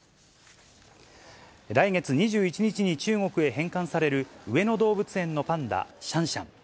来月２１日に中国へ返還される、上野動物園のパンダ、シャンシャン。